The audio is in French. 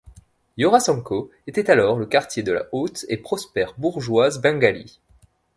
Jorasanko était alors le quartier de la haute et prospère bourgeoise bengalie.